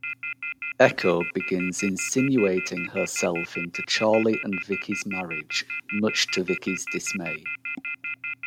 Echo begins insinuating herself into Charlie and Viki's marriage, much to Viki's dismay.